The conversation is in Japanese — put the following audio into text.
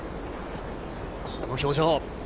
この表情。